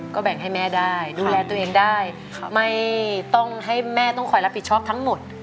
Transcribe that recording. ก็แบ่งให้แม่ได้ดูแลตัวเองได้ไม่ต้องให้แม่ต้องคอยรับผิดชอบทั้งหมด